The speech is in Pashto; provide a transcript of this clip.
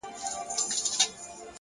o ولاكه مو په كار ده دا بې ننگه ككرۍ ـ